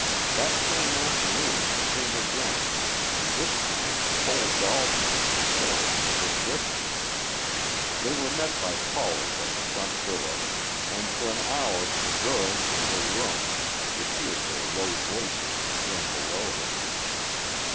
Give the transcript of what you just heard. That same afternoon he came again, and this time Cole Dalton, the sheriff, was with him. They were met by Pollard at the front door, and for an hour the girl in her room could hear their low voices in the room below her.